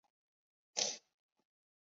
这种近似使该模型易于计算。